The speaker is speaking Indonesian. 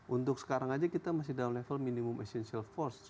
untuk sekarang aja kita masih dalam level minimum essential force